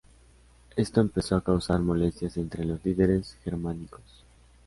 Esto empezó a causar molestias entre los líderes germánicos.